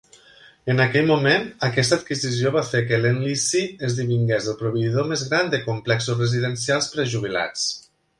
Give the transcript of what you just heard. En aquell moment, aquesta adquisició va fer que Lend Lease esdevingués el proveïdor més gran de complexos residencials per a jubilats.